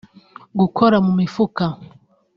gukora mu mifuka